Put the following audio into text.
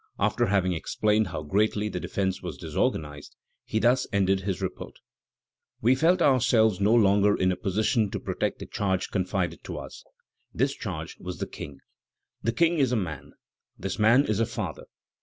After having explained how greatly the defence was disorganized, he thus ended his report: "We felt ourselves no longer in a position to protect the charge confided to us; this charge was the King; the King is a man; this man is a father.